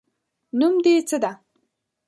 نوم دې څه ده؟